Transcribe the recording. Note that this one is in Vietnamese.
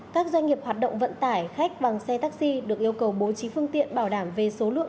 các doanh nghiệp hoạt động vận tải khách bằng xe taxi được yêu cầu bố trí phương tiện bảo đảm về số lượng